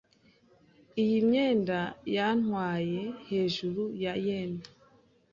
Iyi myenda yantwaye hejuru ya yen .